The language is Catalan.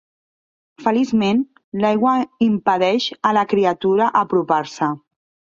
Feliçment, l'aigua impedeix a la criatura apropar-se.